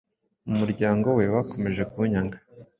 Mu muryango we bakomeje kunyanga